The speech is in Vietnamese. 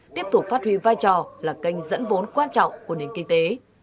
tiếp tục phát huy vai trò là kênh dẫn vốn quan trọng của nền kinh tế